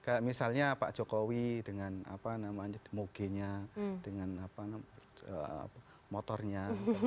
kayak misalnya pak jokowi dengan apa namanya demogenya dengan motornya